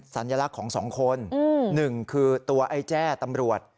สัญลักษณ์ของสองคนหนึ่งคือตัวไอ้แจ้ตำรวจ